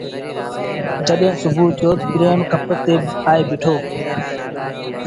جڏهيݩٚ سُڀوٚ ٿيو تا پريم ڪپ تي آئي بيٚٺو۔